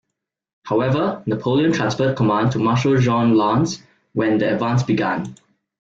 However, Napoleon transferred command to Marshal Jean Lannes when the advance began.